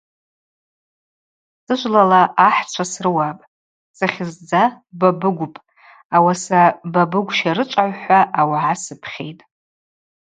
Сыжвлала ахӏчва срыуапӏ, сыхьыздза Бабыгвпӏ, ауаса Бабыгв-щарычӏвагӏв – хӏва ауагӏа сыпхьитӏ.